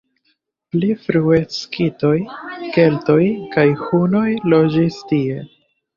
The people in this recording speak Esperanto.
Pli frue skitoj, keltoj kaj hunoj loĝis tie.